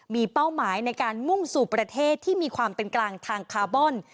มีเป้าหมายในการมุ่งสู่ประเทศที่มีความเป็นกลางทางคาร์บอน